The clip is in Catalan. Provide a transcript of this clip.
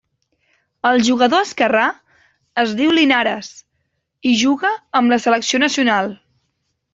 El jugador esquerrà es diu Linares i juga amb la selecció nacional.